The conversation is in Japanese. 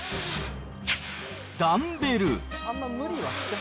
ダンベル。